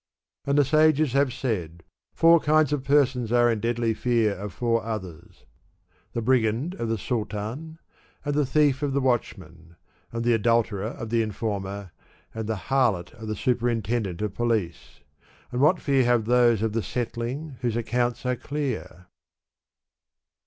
And the sages have said, ' Four kinds of persons are in deadly fear of four others : the brigand of the Sul tan, and the thief of the watchman, and the adulterer of the informer, and the harlot of the superintendent of police ;' and what fear have those of the settling, whose accounts are clear?